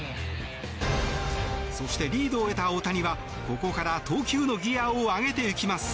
そして、リードを得た大谷はここから投球のギアを上げていきます。